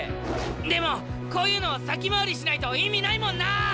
でもこういうの先回りしないと意味ないもんな！